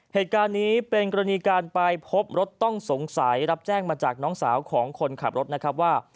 เหตุการณ์นี้เป็นกรณีการไปพบรถต้องสงสัยรับแจ้งมาจากน้องสาวของคนขับรถนะครับว่า